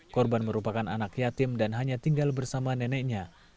korban merupakan anak yatim dan hanya tinggal bersama neneknya